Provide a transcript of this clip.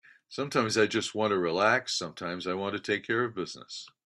Sometimes I just want to relax, sometimes I want to take care of business.